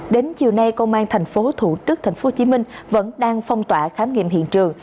đến chiều nay công an tp thủ đức tp hcm vẫn đang phong tỏa khám nghiệm hiện trường